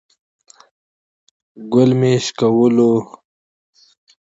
ګل مه شکولوئ